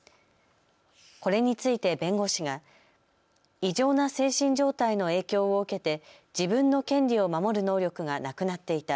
これについて弁護士が異常な精神状態の影響を受けて自分の権利を守る能力がなくなっていた。